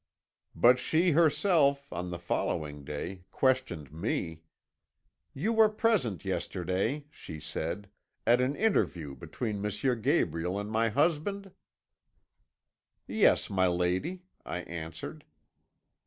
"But she herself, on the following day, questioned me: "'You were present yesterday,' she said, 'at an interview between M. Gabriel and my husband?' "'Yes, my lady,' I answered.